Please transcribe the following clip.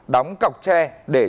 đóng cọc tre để